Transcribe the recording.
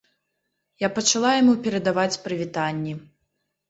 Я пачала яму перадаваць прывітанні.